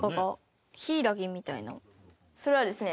それはですね